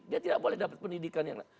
dia tidak boleh dapat pendidikan yang lain